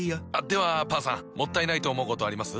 ではパンさんもったいないと思うことあります？